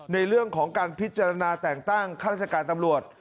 ในเรื่องของการพิจารณาแต่งตั้งข้าราชการตำรวจ